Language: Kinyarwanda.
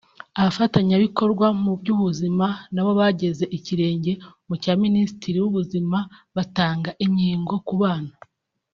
Abafatanyabikorwa mu by’ubuzima nabo bageze ikirenge mu cya Minisitiri w’ubuzima batanga inkingo ku bana